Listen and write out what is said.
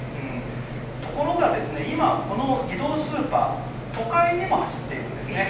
ところが今、この移動スーパー都会にも走っているんです。